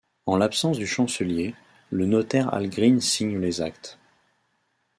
En l'absence du chancelier, le notaire Algrin signe les actes.